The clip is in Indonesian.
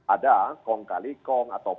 ada kong kali kong atau